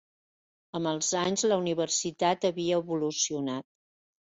Amb els anys la universitat havia evolucionat.